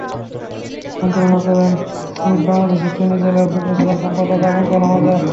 সঞ্চালনা করেন সুইড বাংলাদেশ ফেনী জেলার যুগ্ম সাধারণ সম্পাদক আবুল কালাম আজাদ।